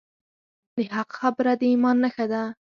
د حق خبره د ایمان نښه ده.